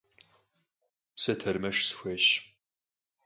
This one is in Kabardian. Se termeşş sıxuêyş.